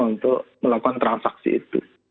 untuk melakukan transaksi itu